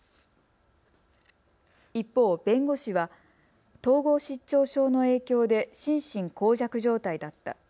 一方、弁護士は統合失調症の影響で心神耗弱状態だった。